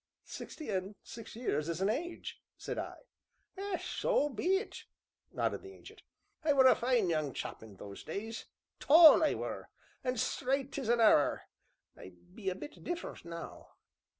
"Sixty and six years is an age," said I. "So it be," nodded the Ancient. "I were a fine young chap in those days, tall I were, an' straight as a arrer, I be a bit different now."